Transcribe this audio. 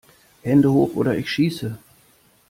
Hände hoch oder ich schieße!